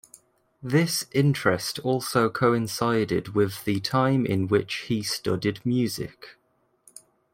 This interest also coincided with the time in which he studied music.